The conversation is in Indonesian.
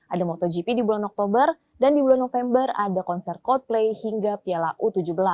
ada motogp di bulan oktober dan di bulan november ada konser coldplay hingga piala u tujuh belas